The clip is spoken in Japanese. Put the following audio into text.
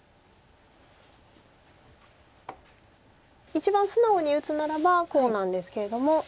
一番素直に打つならばこうなんですけれども。